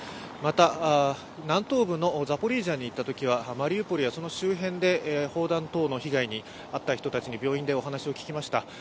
また、南東部のザポリージャに行ったときは、マリウポリやその周辺で砲弾等の被害に遭った人たちに病院でお話を聞きました。